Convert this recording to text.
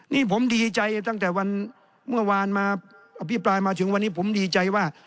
นี่ผมดีใจตั้งแต่วันเมื่อวานมาอภิปรายมาถึงวันนี้ผมดีใจว่า